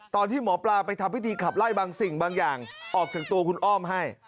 ตอนที่หมอปลาไปทำพิธีขับไล่บางสิ่งบางอย่างออกจากตัวคุณอ้อมให้